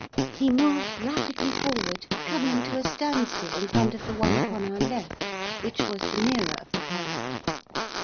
He moved rapidly forward, coming to a standstill in front of the one upon our left, which was the nearer of the pair.